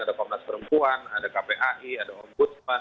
ada komnas perempuan ada kpai ada ombudsman